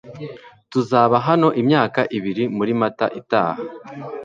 tuzaba hano imyaka ibiri muri mata itaha